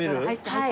はい。